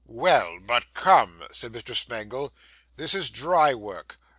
'Well; but come,' said Mr. Smangle; 'this is dry work.